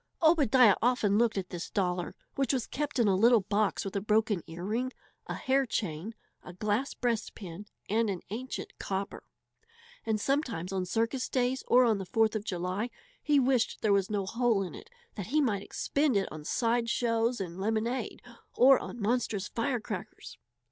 Obadiah often looked at this dollar, which was kept in a little box with a broken earring, a hair chain, a glass breastpin, and an ancient "copper"; and sometimes on circus days or on the Fourth of July he wished there was no hole in it that he might expend it on side shows and lemonade or on monstrous firecrackers.